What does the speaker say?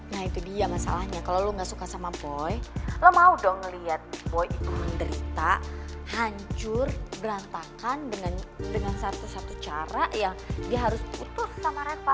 nah itu dia masalahnya kalau lo enggak suka sama boy lo mau dong ngeliat boy itu menderita hancur berantakan dengan satu satu cara yang dia harus putus sama reva